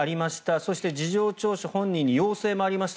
そして事情聴取本人に要請もありました